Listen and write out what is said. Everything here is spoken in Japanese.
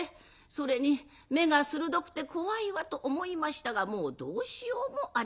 それに目が鋭くて怖いわ」と思いましたがもうどうしようもありません。